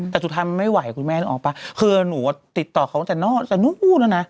แต่สุดท้ายมันไม่ไหวคุณแม่ต้องออกไปคือหนูติดต่อเขาตั้งแต่นอกตั้งแต่นู้นแล้วน่ะ